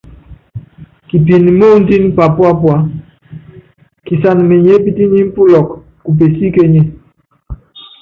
Kipin moondín papúápua, kisan menyépítíínyi pulɔk ku pesíkényé.